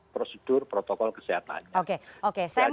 prosedur protokol kesehatannya